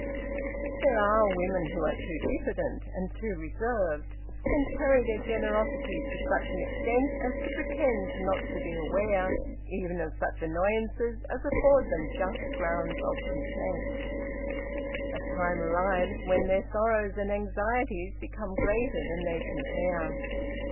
"There are women who are too diffident, and too reserved, and carry their generosity to such an extent as to pretend not to be aware even of such annoyances as afford them just grounds of complaint. A time arrives when their sorrows and anxieties become greater than they can bear.